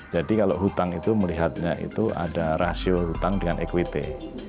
jadi kalau hutang itu melihatnya itu ada rasio hutang dengan equity